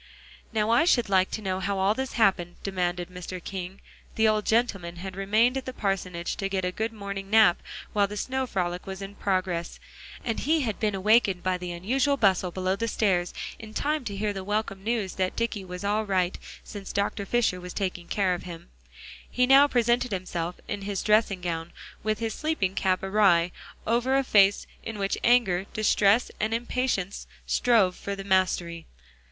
"Now I should like to know how all this happened," demanded Mr. King. The old gentleman had remained at the parsonage to get a good morning nap while the snow frolic was in progress. And he had been awakened by the unusual bustle below stairs in time to hear the welcome news that Dicky was all right since Dr. Fisher was taking care of him. He now presented himself in his dressing gown, with his sleeping cap awry, over a face in which anger, distress and impatience strove for the mastery.